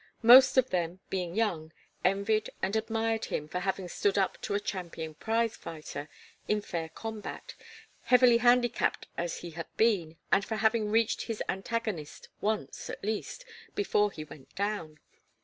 Most of them, being young, envied and admired him for having stood up to a champion prize fighter in fair combat, heavily handicapped as he had been, and for having reached his antagonist once, at least, before he went down.